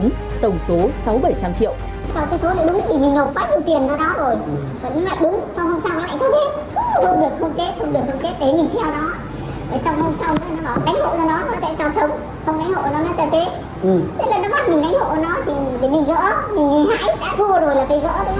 nên là nó bắt mình đánh hộ nó thì mình gỡ mình hãi đã thua rồi là phải gỡ đúng không